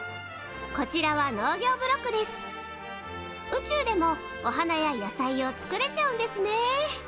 宇宙でもお花や野菜を作れちゃうんですね。